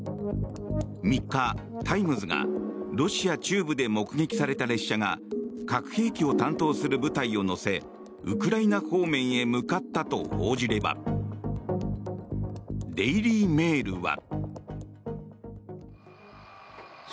３日、タイムズがロシア中部で目撃された列車が核兵器を担当する部隊を乗せウクライナ方面へ向かったと報じればデイリー・メールは。